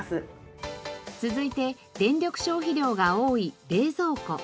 続いて電力消費量が多い冷蔵庫。